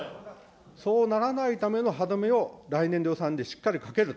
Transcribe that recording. そうならないための歯止めを来年度予算でしっかりかける。